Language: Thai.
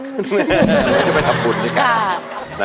ไม่ได้ไปทำฝุ่นด้วยกัน